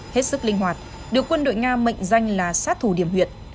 hết sức linh hoạt được quân đội nga mệnh danh là sát thủ điểm huyện